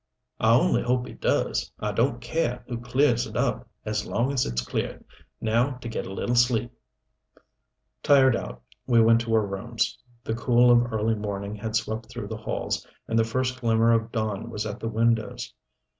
"I only hope he does! I don't care who clears it up as long as it's cleared. Now to get a little sleep." Tired out, we went to our rooms. The cool of early morning had swept through the halls, and the first glimmer of dawn was at the windows.